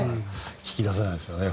聞き出せないですよね